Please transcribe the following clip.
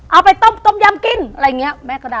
เอาไปต้มตำยำกิน